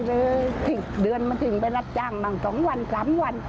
ถึงเธอดงอยมาติ่งเธอไปรับจ้างน้ำวัน๒วัน๓วัน